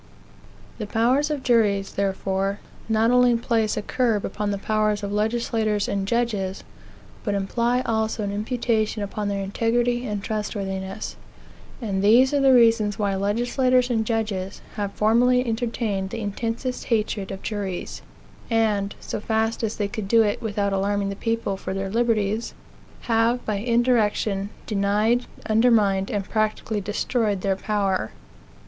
The powers of juries, therefore, not only place a curb upon the powers of legislators and judges, but imply also an imputation upon their integrity and trustworthiness: and these are the reasons why legislators and judges have formerly entertained the intensest hatred of juries, and, so fast as they could do it without alarming the people for their liberties, have, by indirection, denied, undermined, and practically destroyed their power.